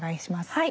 はい。